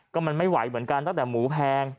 ก็มันไม่ไหวเหมือนกันตั้งแต่หมูแพง